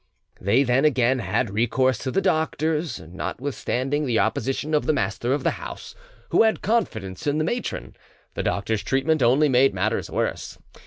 They then again had recourse to the doctors, notwithstanding the opposition of the master of the house, who had confidence in the matron. The doctors' treatment only made matters worse.